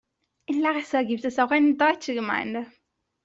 In Larisa gibt es auch eine deutsche Gemeinde.